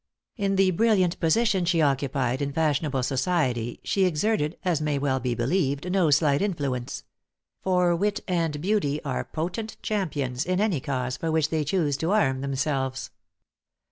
In the brilliant position she occupied in fashionable society, she exerted, as may well be believed, no slight influence; for wit and beauty are potent champions in any cause for which they choose to arm themselves.